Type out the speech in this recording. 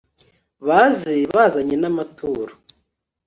baze bazanye n'amaturo